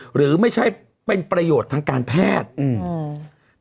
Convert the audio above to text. หรือไม่ใช่เป็นประโยชน์ทางการแพทย์อืม